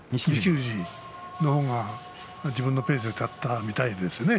富士の方が自分のペースで立ったみたいですね。